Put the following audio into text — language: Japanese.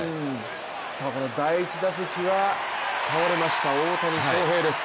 この第２打席は倒れました大谷翔平です。